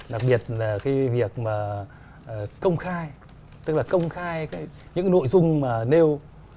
đặc biệt việc công khai tức là công khai những nội dung nêu